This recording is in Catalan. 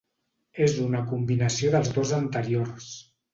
És una combinació dels dos anteriors.